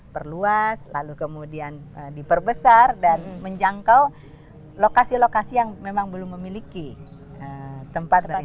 perluas lalu kemudian diperbesar dan menjangkau lokasi lokasi yang memang belum memiliki tempat tinggal